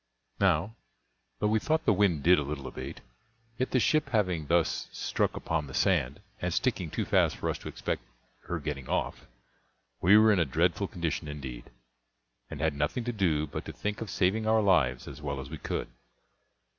Now, though we thought the wind did a little abate, yet the ship having thus struck upon the sand, and sticking too fast for us to expect her getting off, we were in a dreadful condition indeed, and had nothing to do but to think of saving our lives as well as we could.